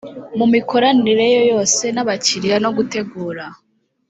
mu mikoranire ye yose n abakiriya no gutegura